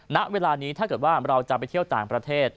ณเวลานี้ถ้าเกิดว่าเราจะไปเที่ยวต่างประเทศ